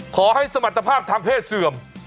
สมรรถภาพทางเพศเสื่อม